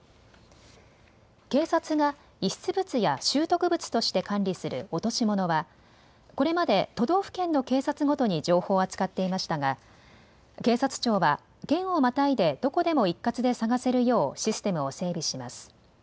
警察が遺失物や拾得物として管理する落とし物は、これまで都道府県の警察ごとに情報を扱っていましたが警察庁は県をまたいでどこでも一括で探せるようシステムを整備します。